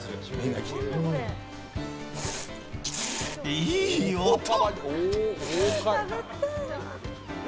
いい音！